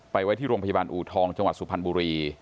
ไว้ที่โรงพยาบาลอูทองจังหวัดสุพรรณบุรี